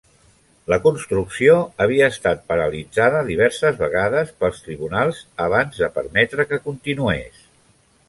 La construcció havia estat paralitzada diverses vegades pels tribunals abans de permetre que continués.